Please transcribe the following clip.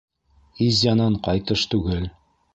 Изянан ҡайтыш түгел.